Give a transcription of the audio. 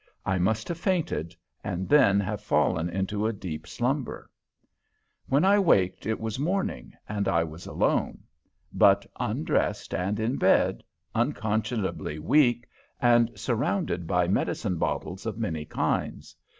I must have fainted, and then have fallen into a deep slumber. When I waked it was morning, and I was alone, but undressed and in bed, unconscionably weak, and surrounded by medicine bottles of many kinds.